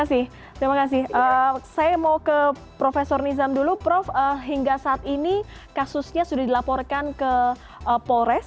terima kasih saya mau ke prof nizam dulu prof hingga saat ini kasusnya sudah dilaporkan ke polres